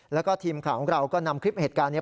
แล้วก็ทีมข่าวของเราก็นำคลิปเหตุการณ์นี้